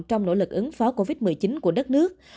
trong nỗ lực ứng phó covid một mươi chín của đất nước